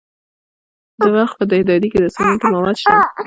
د بلخ په دهدادي کې د سمنټو مواد شته.